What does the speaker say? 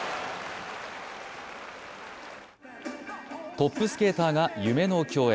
トップスケーターが夢の共演。